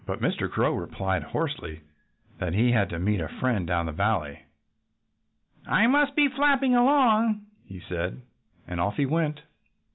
Page 85] But Mr. Crow replied hoarsely that he had to meet a friend down the valley. "I must be flapping along," he said. And off he went.